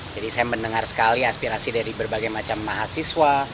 saya mendengar sekali aspirasi dari berbagai macam mahasiswa